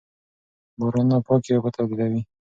بارانونه پاکې اوبه تولیدوي.